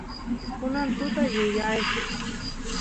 kunan tuta yuyay